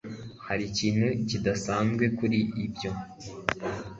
hari ikintu kidasanzwe kuri ibyo